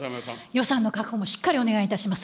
予算の確保もしっかりお願いいたします。